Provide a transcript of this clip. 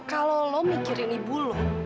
kalau lo mikirin ibu lo